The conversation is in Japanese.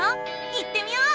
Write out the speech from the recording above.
行ってみよう！